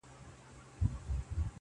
يوه ماشومه لور اکثر په خوب کې داسې وايي